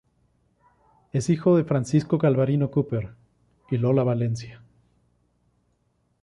Es hijo de Francisco Galvarino Cooper y Lola Valencia.